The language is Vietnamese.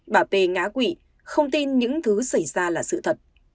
bà p ngã quỵ không tin những thứ xảy ra là sự thật